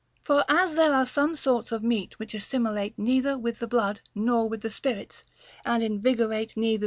For as there are some sorts of meat which assimilate neither with the blood nor with the spirits, and invigorate neither FROM A FRIEND.